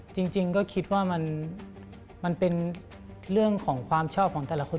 จริงก็คิดว่ามันเป็นเรื่องของความชอบของแต่ละคน